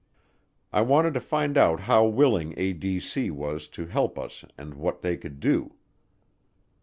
I wanted to find out how willing ADC was to help us and what they could do.